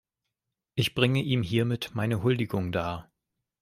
Ich bringe ihm hiermit meine Huldigung dar.